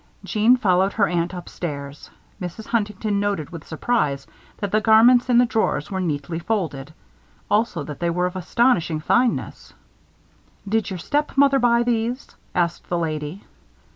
Jeanne followed her aunt upstairs. Mrs. Huntington noted with surprise that the garments in the drawers were neatly folded. Also that they were of astonishing fineness. "Did your stepmother buy these!" asked the lady.